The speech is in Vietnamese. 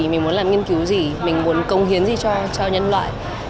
mình muốn làm nghiên cứu gì mình muốn công hiến gì cho nhân loại